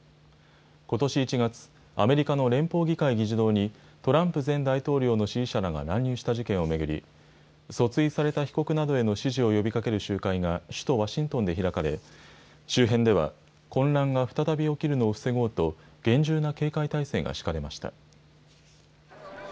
ことし１月、アメリカの連邦議会議事堂に、トランプ前大統領の支持者らが乱入した事件を巡り、訴追された被告などへの支持を呼びかける集会が首都ワシントンで開かれ、周辺では、混乱が再び起きるのを防ごうと、厳重な警戒態勢が敷かれました。